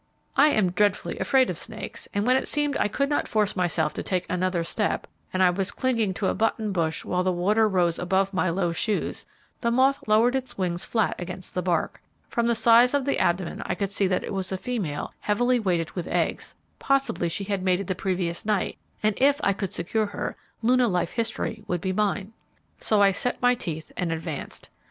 I am dreadfully afraid of snakes, and when it seemed I could not force myself to take another step, and I was clinging to a button bush while the water arose above my low shoes, the moth lowered its wings flat against the bark. From the size of the abdomen I could see that it was a female heavily weighted with eggs. Possibly she had mated the previous night, and if I could secure her, Luna life history would be mine. So I set my teeth and advanced.